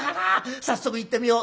早速行ってみよう。